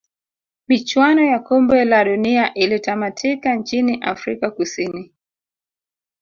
michuano ya kombe la dunia ilitamatika nchini afrika kusini